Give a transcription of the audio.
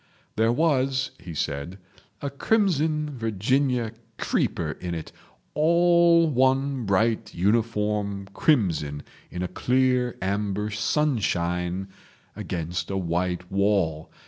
"There was," he said, "a crimson Virginia creeper in it—all one bright uniform crimson in a clear amber sunshine against a white wall.